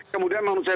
kemudian menurut saya